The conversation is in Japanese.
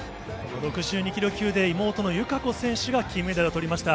６２キロ級で、妹の友香子選手が金メダルをとりました。